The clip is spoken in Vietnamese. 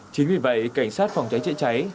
chính vì vậy cảnh sát phòng cháy chạy cháy